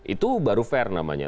itu baru fair namanya